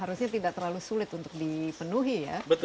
harusnya tidak terlalu sulit untuk dipenuhi ya